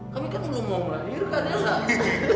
kami kan belum mau melahirkan ya kak